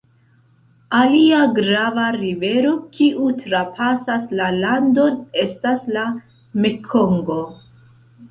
Alia grava rivero kiu trapasas la landon estas la Mekongo.